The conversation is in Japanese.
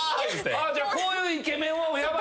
じゃあこういうイケメンはヤバい？